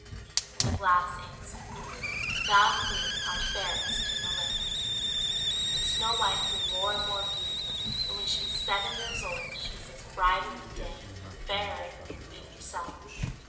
And the glass answered, "Thou, Queen, art fairest in the land." But Snow White grew more and more beautiful; and when she was seven years old, she was as bright as the day, and fairer than the queen herself.